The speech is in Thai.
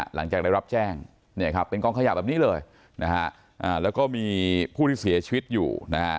หลังจากได้รับแจ้งเป็นกองขยะแบบนี้เลยแล้วก็มีผู้ที่เสียชีวิตอยู่